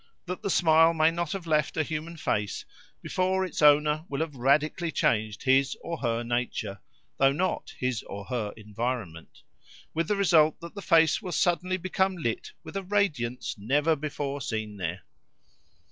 that the smile may not have left a human face before its owner will have radically changed his or her nature (though not his or her environment) with the result that the face will suddenly become lit with a radiance never before seen there?...